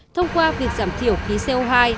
thông qua việc giảm thiểu khí co hai